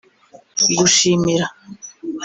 gushimira